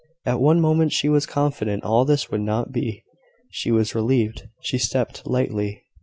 At one moment she was confident all this could not be; she was relieved; she stepped lightly.